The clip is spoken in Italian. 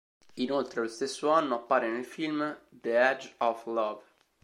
Inoltre, lo stesso anno, appare nel film "The Edge of Love".